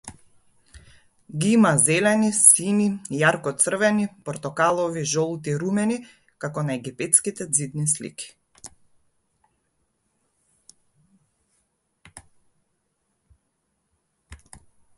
Ги има зелени, сини, јарко црвени, портокалови, жолти, румени, како на египетските ѕидни слики.